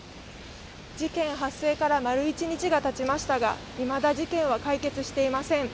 事件発生から丸１日がたちましたがいまだ事件は解決していません。